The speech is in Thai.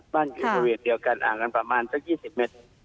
บ้านอยู่ทะเวียดเดียวกันประมาณสัก๒๐เมตร